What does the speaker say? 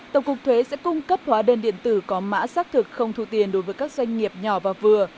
tổng cục thuế sẽ cung cấp hóa đơn điện tử có mã xác thực không thu tiền đối với các doanh nghiệp nhỏ và vừa